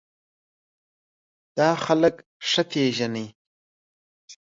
ته دا خلک ښه پېژنې